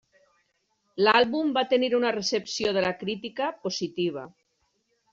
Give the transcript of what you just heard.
L'àlbum va tenir una recepció de la crítica positiva.